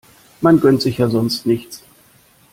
Man gönnt sich ja sonst nichts.